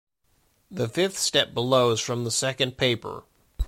The fifth step below is from the second paper.